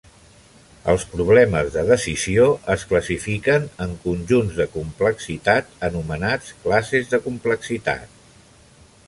Els problemes de decisió es classifiquen en conjunts de complexitat anomenats classes de complexitat.